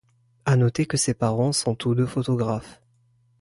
A noter que ses parents sont tous deux photographes.